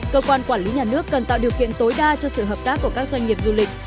cơ quan quản lý nhà nước cần tạo điều kiện tối đa cho sự hợp tác của các doanh nghiệp du lịch